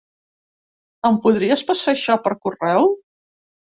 Em podries passar això per correu?